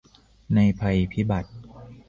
ในภัยพิบัติ